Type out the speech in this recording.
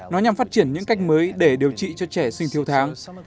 nó nhằm phát triển những cách mới để điều trị cho trẻ sinh thiếu tháng